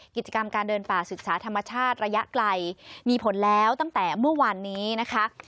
กิจกรรมการเดินป่าศึกษาธรรมชาติระยะไกลมีผลแล้วตั้งแต่เมื่อวานนี้นะคะ